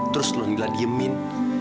terus nondila diemin